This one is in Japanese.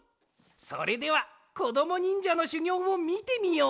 それではこどもにんじゃのしゅぎょうをみてみよう。